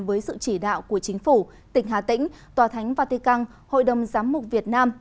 với sự chỉ đạo của chính phủ tỉnh hà tĩnh tòa thánh vatican hội đồng giám mục việt nam